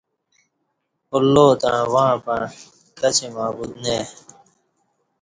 اللہ تݩع وںع پںع کچی معبود نہ ائی کہ